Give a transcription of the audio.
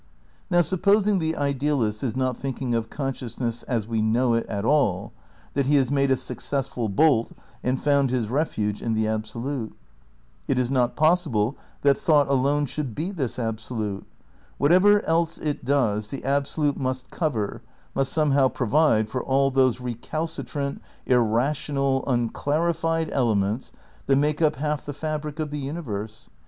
Now supposing the idealist is not thinking of con sciousness as we know it at all; that he has made a successful bolt and found his refuge in the Absolute. It is not possible that thought alone should be this Ab solute. Whatever else it does, the Absolute must cover, must somehow provide for all those recalcitrant, irrational, unclarified elements that make up half the fabric of the universe.